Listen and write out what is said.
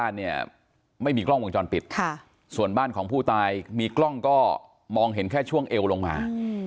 เนี่ยไม่มีกล้องวงจรปิดส่วนบ้านของผู้ตายมีกล้องก็มองเห็นแค่ช่วงเอวลงมา